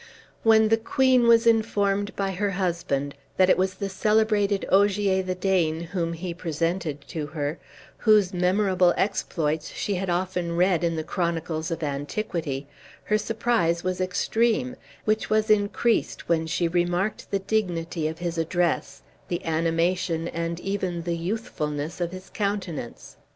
When the queen was informed by her husband that it was the celebrated Ogier the Dane whom he presented to her, whose memorable exploits she had often read in the chronicles of antiquity, her surprise was extreme, which was increased when she remarked the dignity of his address, the animation and even the youthfulness of his countenance.